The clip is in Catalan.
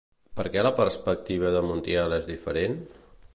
Per què la perspectiva de Montiel és diferent?